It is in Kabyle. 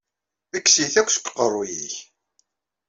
Kkes-it akk seg uqeṛṛu-yik!